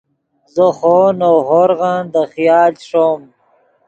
زو خوو نؤ ہورغن دے خیال چے ݰوم